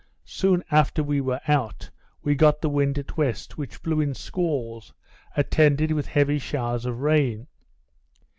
Soon after we were out, we got the wind at west, which blew in squalls, attended with heavy showers of rain.